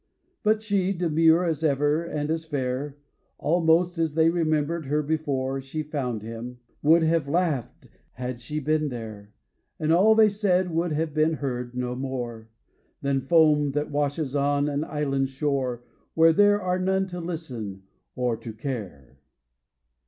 But she, demure as ever, and as fair, Almost, as they remembered her before She found him, would have laughed had she been there; And all they said would have been heard no more Than foam that washes on an island shore Where there are none to listen or to care.